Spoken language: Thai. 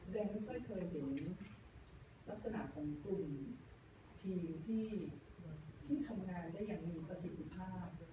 ไม่ค่อยเคยเห็นลักษณะของกลุ่มทีมที่ทำงานได้อย่างมีประสิทธิภาพ